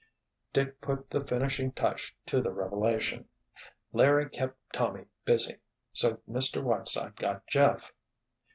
Dick put the finishing touch to the revelation. "Larry kept Tommy busy, so Mr. Whiteside got Jeff."